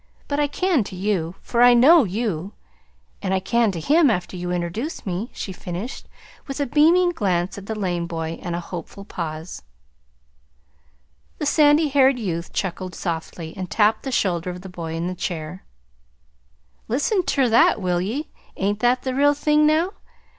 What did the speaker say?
But I can to you, for I KNOW you; and I can to him after you introduce me," she finished, with a beaming glance at the lame boy, and a hopeful pause. The sandy haired youth chuckled softly, and tapped the shoulder of the boy in the chair. "Listen ter that, will ye? Ain't that the real thing, now?